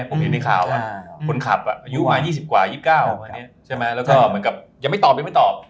เห็นในข่าวว่าคนขับอายุมา๒๐กว่า๒๙แล้วก็ยังไม่ตอบ